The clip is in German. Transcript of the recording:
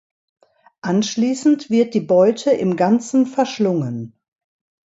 Anschließend wird die Beute im Ganzen verschlungen.